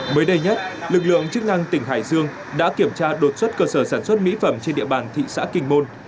mới đây nhất lực lượng chức năng tỉnh hải dương đã kiểm tra đột xuất cơ sở sản xuất mỹ phẩm trên địa bàn thị xã kinh môn